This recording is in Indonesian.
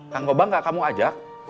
kang gobang gak kamu ajak